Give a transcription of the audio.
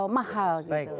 mahal gitu loh